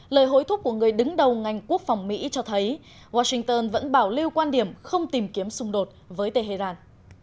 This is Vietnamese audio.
lời hối thúc của người đứng đầu ngành quốc phòng mỹ cho thấy washington vẫn bảo lưu quan điểm không tìm kiếm xung đột với tehran